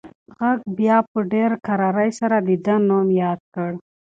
غږ بیا په ډېره کرارۍ سره د ده نوم یاد کړ.